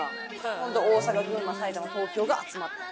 ホント大阪群馬埼玉東京が集まった。